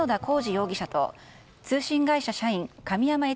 容疑者と通信会社社員、神山悦